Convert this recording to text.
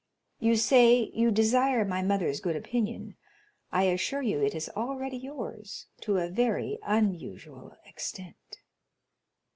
You say you desire my mother's good opinion; I assure you it is already yours to a very unusual extent."